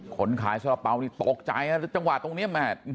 คนขาย๐๓ที่ตกใจอ่ะโดยจังหวะตรงนี้